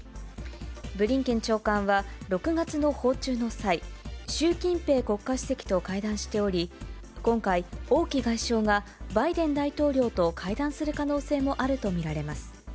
ブリンケン長官は６月の訪中の際、習近平国家主席と会談しており、今回、王毅外相がバイデン大統領と会談する可能性もあると見られます。